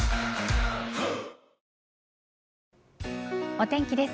お天気です。